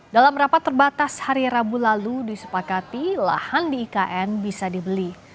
dalam rapat terbatas hari rabu lalu disepakati lahan di ikn bisa dibeli